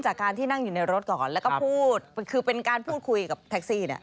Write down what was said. จากการที่นั่งอยู่ในรถก่อนแล้วก็พูดคือเป็นการพูดคุยกับแท็กซี่เนี่ย